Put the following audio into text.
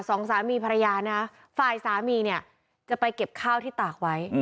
สองสามีภรรยาภายสามีจะไปเก็บข้าวที่ตากไว้